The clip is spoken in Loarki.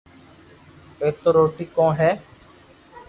ايتو روئي ڪون ھي